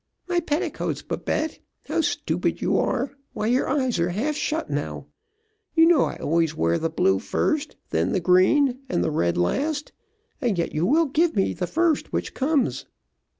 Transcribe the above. My petticoats, Babette; how stupid you are, why, your eyes are half shut now; you know I always wear the blue first, then the green, and the red last, and yet you will give me the first which comes.